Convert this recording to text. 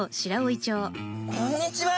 こんにちは！